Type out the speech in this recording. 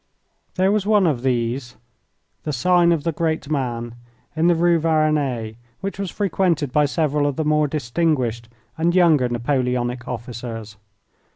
There was one of these the Sign of the Great Man in the Rue Varennes, which was frequented by several of the more distinguished and younger Napoleonic officers.